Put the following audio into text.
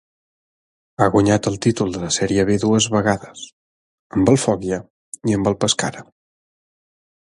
Ha guanyat el títol de la Sèrie B dues vegades, amb el Foggia i amb el Pescara.